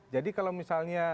jadi kalau misalnya